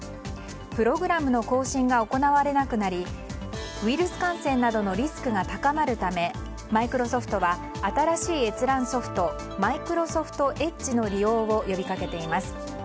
プログラムの更新が行われなくなりウイルス感染などのリスクが高まるためマイクロソフトは新しい閲覧ソフトマイクロソフトエッジの利用を呼びかけています。